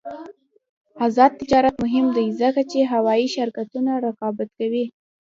آزاد تجارت مهم دی ځکه چې هوايي شرکتونه رقابت کوي.